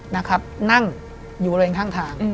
นั่งอยู่บริเวณข้างทาง